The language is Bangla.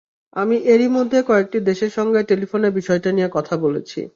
আমি এরই মধ্যে কয়েকটি দেশের সঙ্গে টেলিফোনে বিষয়টা নিয়ে কথা বলেছি।